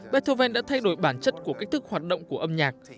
behoven đã thay đổi bản chất của cách thức hoạt động của âm nhạc